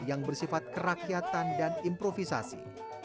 yang bersifat kerakyatan dan improvisasi